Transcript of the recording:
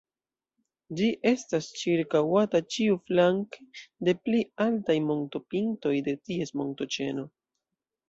Ĝi estas ĉirkaŭata ĉiuflanke de pli altaj montopintoj de ties montoĉeno.